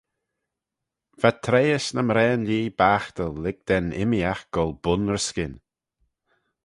Va treihys ny mraane-lhee baghtal lurg da'n immeeaght goll bun-ry-skyn.